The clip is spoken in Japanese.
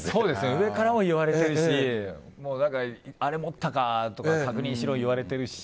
上からも言われてるしあれ持ったかとか確認しろとか言われてるし。